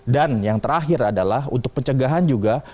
dan yang terakhir adalah untuk pencegahan juga